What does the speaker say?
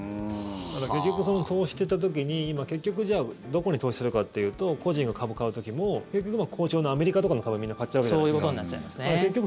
結局、投資といった時に今、どこに投資するかっていうと個人が株買う時も結局好調なアメリカとかの株をみんな買っちゃうわけじゃないですか。